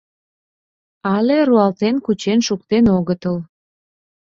Але руалтен кучен шуктен огытыл...